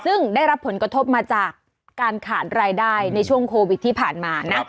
ซึ่งได้รับผลกระทบมาจากการขาดรายได้ในช่วงโควิดที่ผ่านมานะ